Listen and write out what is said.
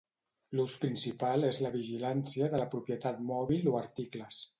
L'ús principal és la vigilància de la propietat mòbil o articles.